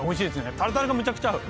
タルタルとめちゃくちゃ合う。